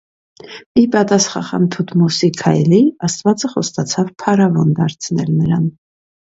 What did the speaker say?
Ի պատասխախան Թութմոսի քայլի, աստվածը խոստացավ փարավոն դարձնել նրան։